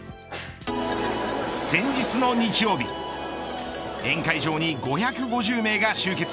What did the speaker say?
先日の日曜日宴会場に５５０名が集結。